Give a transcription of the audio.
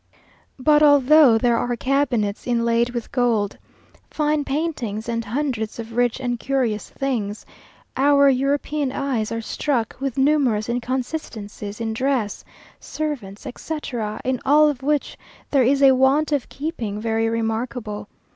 But although there are cabinets inlaid with gold, fine paintings, and hundreds of rich and curious things, our European eyes are struck with numerous inconsistencies in dress, servants, etc., in all of which there is a want of keeping very remarkable.